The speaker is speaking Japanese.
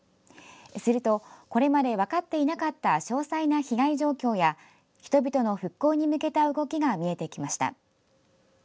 するとこれまで分かっていなかった詳細な被害状況や人々の復興に向けた動きが見えてきました。